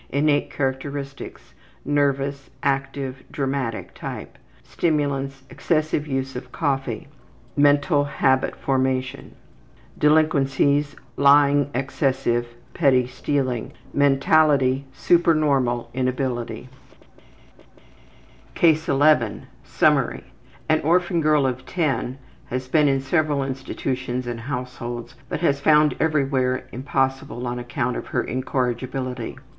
Innate characteristics: nervous, active, dramatic type. Stimulants: excessive use of coffee. Mental habit formation. Delinquencies: Mentality: Lying excessive. Supernormal in ability. Petty stealing. CASE 11 Summary: An orphan girl of 10 had been in several institutions and households, but was found everywhere impossible on account of her incorrigibility.